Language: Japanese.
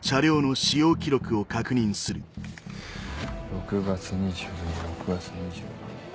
６月２２６月２２。